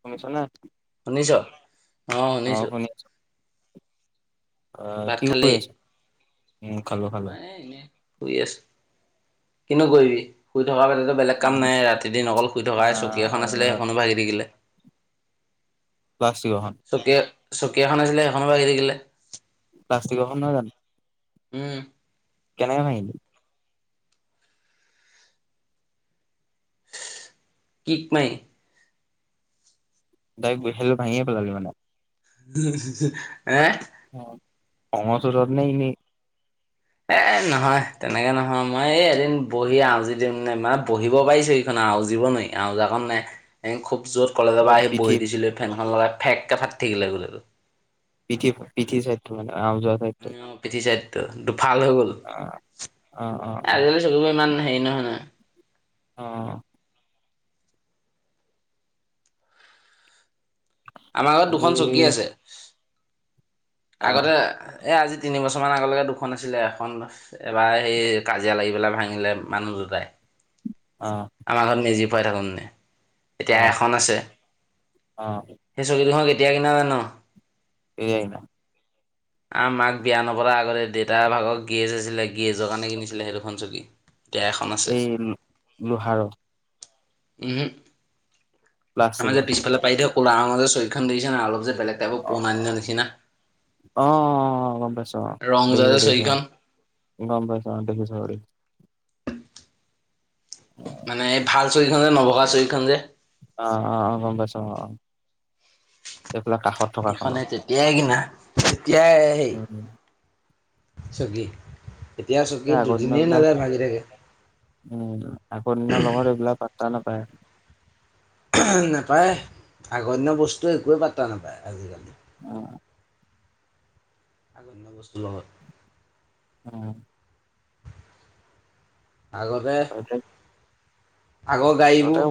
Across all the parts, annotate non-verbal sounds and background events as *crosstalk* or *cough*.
শুনি ছনে? শুনিছ অ শুনিছো অহ কি কৰি আছ। উম, খালো খালো। মাই এনে শুই আছো কিনো কৰিবি শুই থকা বাদে টো বেলেগ কাম নাই ৰাতি দিন অকল শুই থকা হে। চকী এখন আছিলে সেইখনো ভাগি থাকিলে। প্লাষ্টিকখন চকী চকী এখন আছিলে সেইখনো ভাগি থাকিলে। প্লাষ্টিক খন নহয় জানো? উম। কেনেকে ভাঙিলি। কিক মাই। ডাইক গৈছিলো ভাঙিয়ে পেলালি মানে এয়ে খঙৰ চোতত নে এনেই এ নহয় তেনেকে নহয় মই এই এদিন বহি আওজি মানে বহিব পাৰি চকীখন আওজীৱ নোৱাৰি আওজা খন নাই খুব য'ত কলেজৰ অ' পৰা আহি পিঠি বহি দিছিলো ফেনখন লগাই ফেক কে ফাটি থাকিলে গোলেটো পিঠি চাইডটো মানে। আও যোৱা চাইডটো? উ পিঠি চাইতটো দুফাল হৈ গল অ' অ' অ' অ' আজিকালি চকীবোৰ ইমান হেৰি নহয় নহয় অ আমাৰ ঘত আজি দুখন চকী আছে আগতে। অ' এই আজি তিনিবছৰমান আগলৈকে দুখন আছিলে এখন এবাৰ সেই কাজিয়া লাগি পেলাই ভাঙিলে মানুহ দুটাই। অ' আমাৰ ঘৰত মেজি ফুৱাই থাকোঙতে এতিয়া অ' এখন আছে অ' সেই চকী দুখন কেতিয়া কিনা ন নিজেই কিনা *inaudible* আমাৰ মাক বিয়া নপতা আগতে দেউতাৰ ভাগ গেয়েজ আছিলে গেয়েজৰ কাৰণে কিনিছিলে সেই দুখন চকি এই লোহাৰ উমহু আমাৰ যে প্লাষ্টিকৰ। পিছফালে পায়ি থয় কোলা ৰঙৰ যে চকীখন দেখিছ নাই অলপ যে বেলেগ তাইপৰ অ' পুৰণা দিনৰ নিচিনা। অ' গম পাইছোঁ অ ৰং যোৱা যে চকীখন ' গম পাইচো অ দেখিছো অ মানে এই ভাল চকিখন যে নভগা চকিখন যে অ অ অ গম পাইছো অ অ এইফালে কাষত থকা এইখনে খনত তেতিয়াই কিনা এতিয়াই সেই উম ছুগী এই আগৰ দিনৰ বিলাক উম আগৰ দিনৰ লগত এইবিলাক পাত্তা নে- পায় নেপায় আগৰ দিন বস্তু একোৱেইে পাত্তা নাপায় আজিকালি। অ আগৰ দিনৰ বস্তু লগত উ। আগতে এতিয়া আগৰ গাড়ীবোৰ সিহঁতেও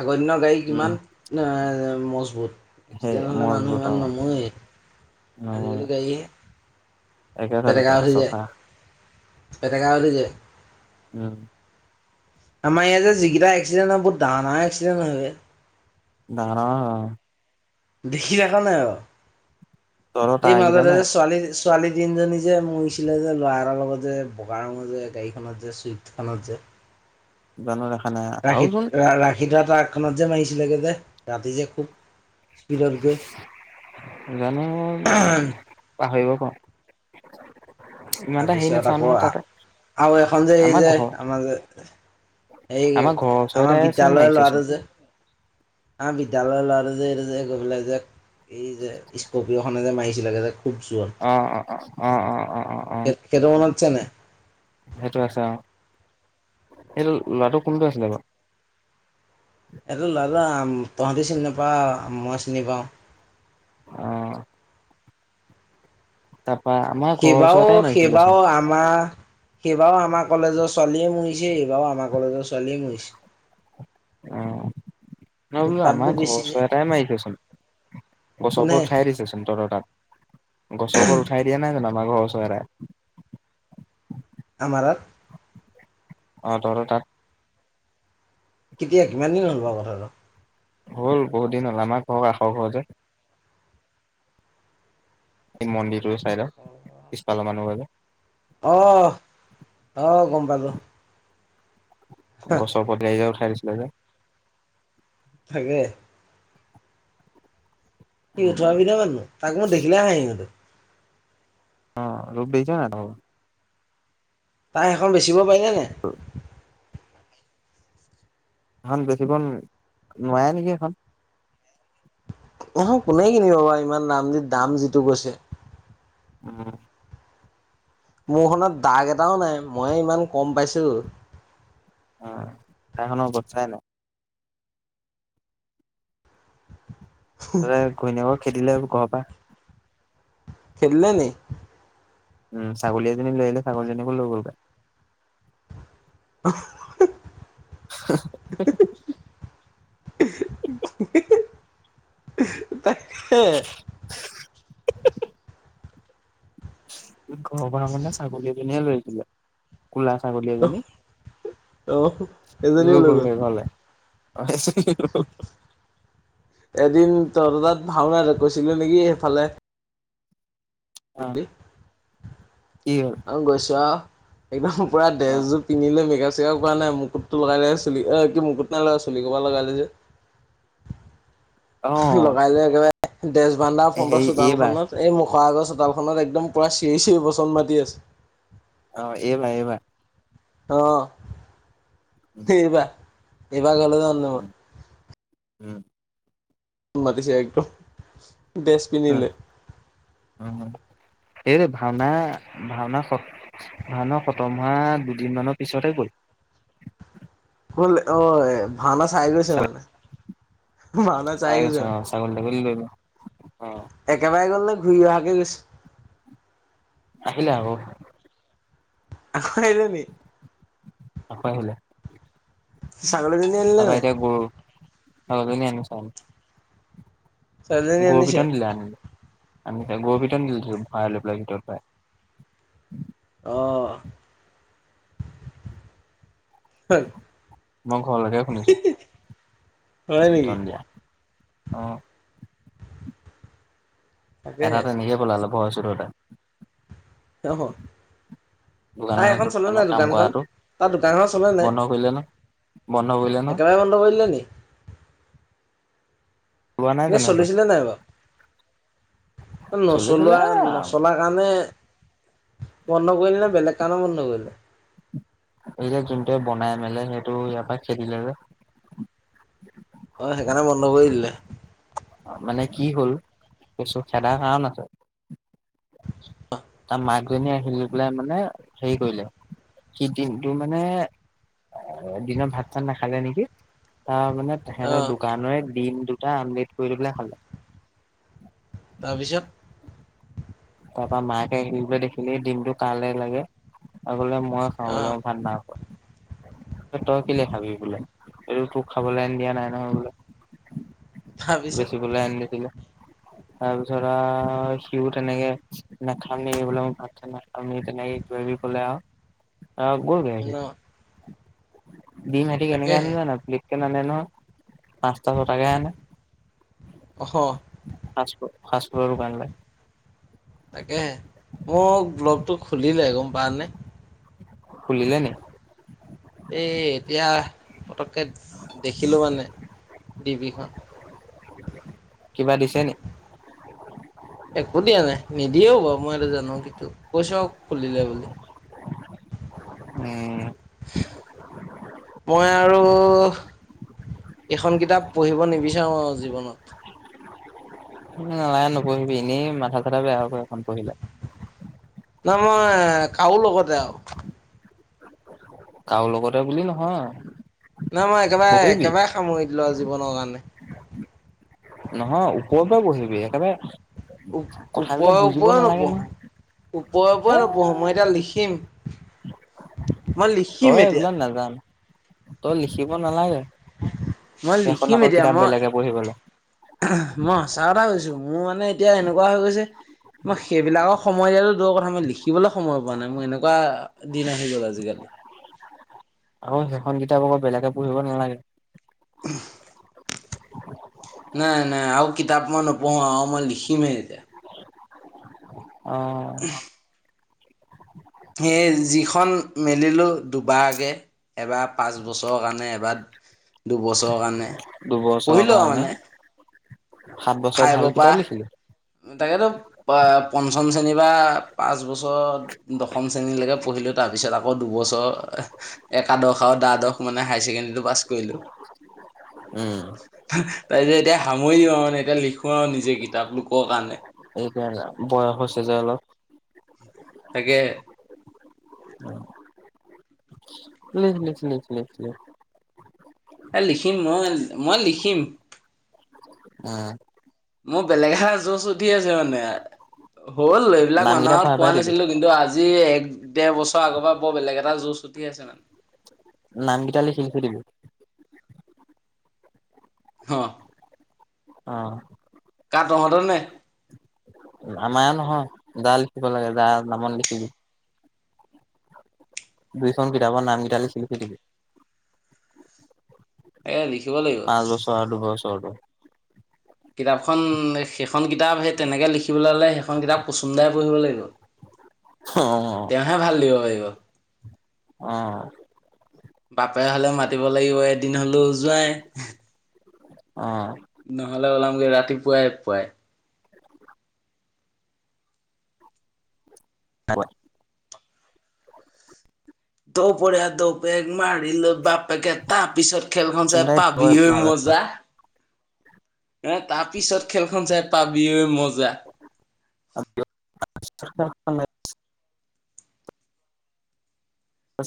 আগৰ দিনৰ গাড়ী উম, কিমান নএ মজবুত সেই এক্সিডেণ্ট হলে মানুহ মজবুত অ ইমান নমৰে আজিকালি গাড়ীয়ে *unintelligible* চব নাহা *unintelligible* যে অহ। আমাৰ ইয়াত যে যিকেইটা এক্সিডেণ্ট হয় বহুত ডাঙ ডাঙ এক্সিডেণ্ট হয়। ডাঙৰ ডাঙৰ অ *unintelligible* নাই অ তহঁতৰ এই তাঁৰকেইটা মাজতে নে যে ছোৱালী ছোৱালী তিনজনী যে মইছিলে যে ল'ৰাৰ লগত যে বগাৰ ৰঙৰ যে গাড়ীখনত যে চুইফ্ট খনত যে উ বানৰা ৰাখি ৰাখিথোৱা ট্ৰাকখনত যে মাৰিছিলেগে যে ৰাতি যে খুব। স্পীডত গৈ জানো পাহৰিব পাওঁ তাৰপিছত আকৌ তাতে আৰু এখন যে এই আমাৰ যে ঘৰ আমাৰ যে এই ঘৰৰ ওচৰতে আমাৰ চোন বিদ্যালয় মাৰিছেচোন লৰাটো যে আমাৰ বিদ্যালয়লৈ ল'ৰাটো যে এইটো যে গৈ পেলাই যে এই যে স্কপিঅ খনে যে মাৰিছিলেগে যে খুব অ অ অ অ অ অ অ অ জোৰত কোঠাটো মনত। সেইটো আছে অ সেইটো ল'ৰাটো কোনটো আছিলে বাৰু। এইটো লাদা আম তহঁতি চিনি নাপাওঁ মই চিনি পাওঁ। অ ' আমাৰ ঘৰৰ সেইবাও ওচৰতে মাৰিছিলেচোন সেইবাও আমাৰ সেইবাৰও আমাৰ কলেজৰ ছোৱালীয়ে মোৰ বাৰু আমাৰ কলেজৰ ছোৱালী মৰিছে অ নহ বোলোঁ উৎপাতবোৰ আমাৰ বেছি ঘৰ যে চৰ এটাই মাৰি থৈচোন গছৰ কোনে ওপৰত উঠাই দিছেচোন তত তাত গছবোৰ উঠাই দিয়া নাই জানোঁ আমাৰ ঘ *unintelligible* আমা তাত। অ তহঁতৰ তাত কেতিয়া কিমান দিন হ'ল বাৰু কথাটো হ'ল বহুত দিন হ'ল আমাক ঘৰ কাষৰ ঘৰ যে। এই মন্দিৰটোৰ চাইডৰ পিছফালৰ মানুহঘৰ যে। অহ অহ গম পালোঁ। গছৰ ওপৰত যে উঠাই দিছিলে যে। থাকে। সি উঠোৱা বিধৰ মানুহ তাক মই দেখিলে হাহি উঠে। অ ৰবি যা এটাও। তাই সেখন বেচিব পাৰিলে নাই? সেইখন বেছিব নোৱাৰে নেকি সেইখন? অ মোক কোনে কিনিব বাৰু ইমান দাম দি দাম যিটো কৈছে। উম। মোৰখনত দাগ এটাও নাই মই ইমান কম পাইছোঁ। অ সেখন অৱস্থা নাই। তাতে ঘৈণীয়েকক খেদিলে ঘৰৰ পা। খেদিলে নি? উম ছাগলী এজনী লৈ আহিলে ছাগলীজনীকো লৈ গ'লগে *unintelligible* *unintelligible* তাকে। ঘৰ পা মানে ছাগলী এজনী লৈ আহিছিলে। কুলা ছাগলী এজনী অহ লৈ গ'ল গে ঘৰলে অ এজনী এদিন তহঁত তাত ভাওনাত গৈছিলো নেকি সেইফালে? অ। কি হ'ল? আৰু গৈছোঁ আও একদম পুৰা অ ড্ৰেছযোৰ পিন্ধিলৈ মেকাপ- চেকাপ কৰা নাই মুকুতটো লগাই লৈ চুলি এ কি মুকুত নাই লগোৱা চুলিখোপা লগাই লৈছে। অ। লগাই লৈ একেবাৰে দেচ বানদা ফন্দৰ হেৰি চোতাল এইবাৰ খনত এই খোৱাক চোতালখনত একদম পূৰা চিৰি চিঞৰি বচন মাতি আছে। অ এইবাৰ এইবাৰ। অহ, উম এইবাৰ। এই বা ঘৰলে যাওঁতে মই। উম। মাতিছে একদম ডেষ্ট উম পিন্ধিলই। এইৰে ভাওনা ভাওনা ভাওনা খতম হোৱা দুদিনমানৰ পিছতেই গ'ল। হ'ল অৱে। ভাওনা চাই গৈছে মানে - ভাওনা চাই গৈছে অ মানে। ছাগলী তাগলী লৈ গল অ একেবাৰে গ'ল নে ঘূৰি অহাকে গৈছে? আহিলে আকৌ। আকৌ', আহিলে নেকি আকৌ আহিলে ছাগলী জনী আনিলে নাই? ছাগলী জনী আনিছে ছোৱালীজনী গৰু আনিছে পিতন দিলে আনি আমি এতিয়া গৰু পিতন দিলে ধৰিভৰাই লৈ পেলাই ভিতৰত ভৰাই অঁহ মই ঘৰলৈকে শুনিছো নেকি পিতন দিয়া অহ এটা তাকেহে -এটা নিজে পলালে ভয়ছোততে তেওঁ হ তাই দোকানত এখন চলে দোকানত নাই কাম দোকানখন কৰাটো তাৰ দোকানখন চলে নাই বন্ধ কৰিলে ন বন্ধ কৰিলে ন একেবাৰে বন্ধ কৰি দিলে নি ওলোৱা নাই এনেই জানো সেইটো চলিছে নে নাই বাৰু নচলোৱা চলিছিলে নচলা কাৰণে বন্ধ কৰিলে নে বেলেগ কাৰণেও বন্ধ কৰিলে এই যে যোনটোৱে বনাই মেলে সেইটো ইয়াৰ পৰা খেদিলে যে। অ সেইকাৰণে বন্ধ কৰি দিলে মানে কি হ'ল কেচতো খেদাৰ কাৰণ আছে তাৰ মাকজনী আহি লৈ পেলাই মানে হেৰি কৰিলে সি দিনটো মানে দিনত ভাত চাত নাখালে নেকি তাৰ মানে তেহঁতৰ অ' দোকানৰে দিম দুটা আমলেট কৰি পেলাই খালোঁ তাৰপিছত। তাৰ পৰা মাকে আহি বোলে দেখিলি দিমটো কালে লাগে। আগলে মই খাওঁ অ' বেলেগলে ভাত নাইখোৱা *inaudible* তই কেলে খাবি বোলে এইটো তোক খাবলৈ আ দিয়া নাই নহয় বোলে। তাৰপিছত বেছিবলৈ আনি দিলে তাৰপিছত আহ, সিও তেনেকে নাখামেই এইবিলাকত ভাত চাত নাখামেই তেনেকে কিবাকিবি কলে আৰু। অ গ'লগে সি? ন ভীমহেঁতে কেনেকে আনে তাকেহে জান, প্লিক কে নানে নহয়। *unintelligible* পাঁচটো ছয়তাকে কে আনে অহ ফাষ্টৰ্ফুড ফাৰ্ষ্টফুড ৰ দোকানলে তাকেহে মোৰ ব্লগটো খুলিলে গম পাওঁ নে খুলিলে নে এ এতিয়া পতককে দেখিলো মানে। দি পি খন কিবা দিছে নি একো দিয়া নাই নিদিয়েও বাৰু মই সেইটো জানো কিন্তু কৈছো আৰু খুলিলে বোলি। মই আৰু এইখন কিতাপ পঢ়িব নিবিচাৰোঁ আৰু জীৱনত। নালাগে নপঢ়িবি এনেই মাথা চাথা বেয়া হব এখন পঢ়িলে না মই কাৰো লগতে যাওঁ কৰোঁ লগতে বুলি নহয় নাই মই একেবাৰে পঢ়িবি একেবাৰে সামৰি দিলো আও জীৱনৰ কাৰণে নহয় ওপৰ পৰা পঢ়িবি সেইকাৰণে ওপৰে-ওপৰে নহয় নপঢ়ো- ওপৰে - এ ওপৰে নপঢ়ো মই এতিয়া লিখিম। মই লিখিম তই এতিয়া এইবিলাক নাজান, তই লিখিব নালাগে। মই সেইখন লিখিম আকৌ এতিয়া কিতাপ মই বেলেগে পঢ়িবলে মই সঁচা কথা কৈছো, মোৰ মানে এতিয়া এনেকুৱা হৈ গৈছে মই সেইবিলাকক সময় দিয়াটো দূৰৰ কথা মই লিখি শিকিবলৈ সময় পোৱা নাই মই এনেকুৱা দিন আহি গ'ল আজিকালি। আকৌ সেইখন কিতাপ আকৌ বেলেগে পঢ়িব নালাগে। *unintelligible* নাই- নাই আৰু কিতাপ মই নপঢ়ো আৰু মই লিখিমহে এতিয়া। অ সেয়ে যি খন মেলিলো দুবাৰ কে এবাৰ পাঁচ বছৰৰ কাৰণে এবাৰ দুবছৰ কাৰণে দুবছৰৰ পঢ়িলো আৰু কাৰণে মানে সাত বছৰ ফাইভৰ ভাল কিতাপ পৰা লিখিলোঁ। তাকেতো প পঞ্চম শ্ৰেণীৰ বা পাঁচ বছৰ দশম শ্ৰেণীলৈকে পঢ়িলোঁ তাৰপিছত আকৌ দুবছৰ একাদশ আৰু দ্বাদশ মানে হায়াৰ ছেকেণ্ডৰীটো পাছ কৰিলো উম, তাৰপিছত এতিয়া সামৰিম আও মানে এতিয়া লিখোঁ আৰু নিজে কিতাপ লোকৰ কাৰণে। বয়স হৈছে যে অলপ তাকে। লিখ- লিখ - লিখ - লিখ-লিখ *unintelligible* এ লিখিম মই মই লিখিম। উম। মোৰ বেলেগ এ জছ উঠি আছে মানে। হ'ল এইবিলাক নামকেইটা মানুহক ভৰাই কোৱা ভৰাই দিবি নাছিলো কিন্তু আজি এক দেৰ বছৰ আগৰ পৰা বৰ বেলেগ এটা জুজ উঠি আছে মানে নাম কিটা লিখি লিখি থৈ দিবি। হ অ। কাৰ তহঁতৰ নে? আমাৰ এয়াৰ নহয় যা লিখিব লাগে যা নামত লিখিম। দুইখন কিতাপৰ নামকিটা লিখি লিখি দিবি। এ লিখ পাঁচ বছৰ আৰু দুবছৰটো। কিতাপখন সেইখন কিতাপ সেই তেনেকে লিখিবলৈ হ'লে সেইখন কিতাপ কচুম দাই পঢ়িব লাগিব। অ তেওঁহে ভাল দিব পাৰিব অ বাপেৰে হলে মাতিব লাগিব এদিন হলেও জোঁৱাই। অ নহলে উলামগে ৰাতি পুৱাই পুৱাই। দুপৰীয়া দঅ পেক মাৰিলো বাপেকে তাৰ পিছত খেলখন চাই চোনদাই পাবি ঐ ভাল মজা। এ তাৰপিছত খেলখন চাই পাবি ঐ মজা *unintelligible*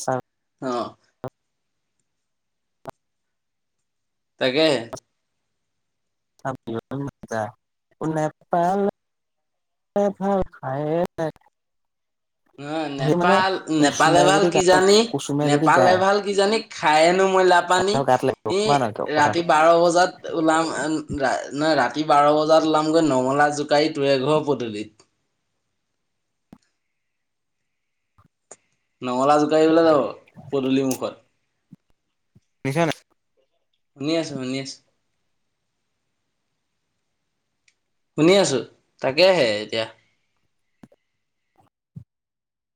ছা অ তাকেহে *unintelligible* নাপালে ভাল পায় নে ন নেপাল নেপালে কুচুমে ভাল যদি গায় কিজানি কুচুমে যদি নেপাল এ গায় ভাল কিজানি খায়েনো মই লাপানী গাত লাগিব গম পাৱ নাই তই ৰাতি কথাটো বাৰ বজাত ওলাম ন ৰাতি ৰাতি বাৰ বজাত ওলামগৈ নঙলা জোকাৰি তুৱেঘৰ পদূলিত নঙলা জোকাৰিবলে যাব পদূলি মুখত। শুনিছা নাই। শুনি আছো শুনি আছো। শুনি আছো তাকে হে এতিয়া।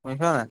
শুনিছ নাই।